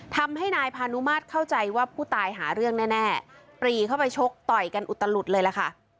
ทำให้นายพานุมาตรเข้าใจว่าผู้ตายหาเรื่องแน่ปรีเข้าไปชกต่อยกันอุตลุดเลยล่ะค่ะ